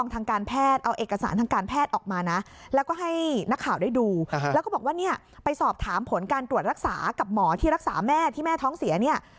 ที่รักษากับหมอที่รักษาแม่ที่แม่ท้องเสีย